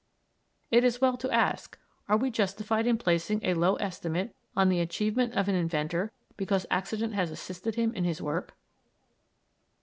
It is well to ask, Are we justified in placing a low estimate on the achievement of an inventor because accident has assisted him in his work?